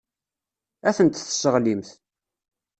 Ad tent-tesseɣlimt.